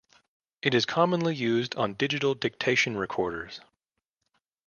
It is commonly used on digital dictation recorders.